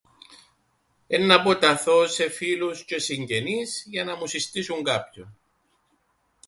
Εννά αποταθώ σε φίλους τζ̆αι συγγενείς για να μου συστήσουν κάποιον.